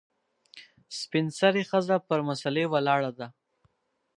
سپین سرې ښځه پر مسلې ولاړه ده .